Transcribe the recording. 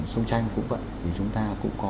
sông tranh cũng vận thì chúng ta cũng có